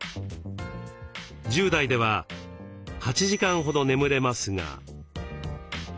１０代では８時間ほど眠れますが。